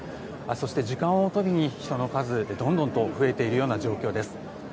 そして時間を追うたびに人の数どんどん増えている状況です。